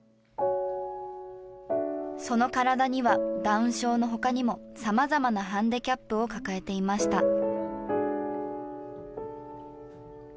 その体にはダウン症の他にも様々なハンディキャップを抱えていました。